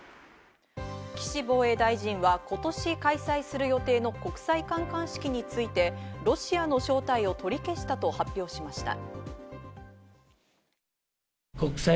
岸防衛大臣は今年開催する予定の国際観艦式について、ロシアの招待を取り消したと発表しました。